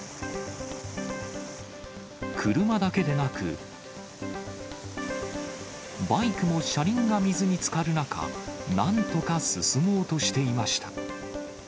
車だけでなく、バイクも車輪が水につかる中、なんとか進もうとしていました。